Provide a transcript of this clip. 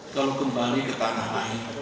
kalau kembali ke tangga